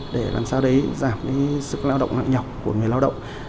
để làm sao đấy giảm cái sức lao động nặng nhọc của người lao động